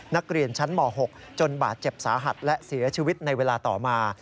นักเรียนชั้นม๖จนบาดเจ็บสาหัสและเสียชีวิตในเวลาต่อมา